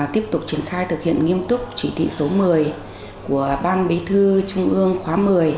tiếp tục triển khai thực hiện nghiêm túc chỉ thị số một mươi của ban bí thư trung ương khóa một mươi